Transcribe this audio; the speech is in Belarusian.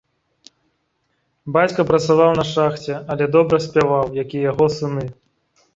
Бацька працаваў на шахце, але добра спяваў, як і яго сыны.